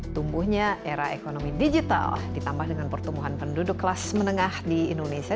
tumbuhnya era ekonomi digital ditambah dengan pertumbuhan penduduk kelas menengah di indonesia